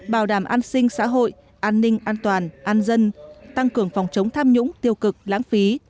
bảo đảm an sinh xã hội an ninh an toàn an dân tăng cường phòng chống tham nhũng tiêu cực lãng phí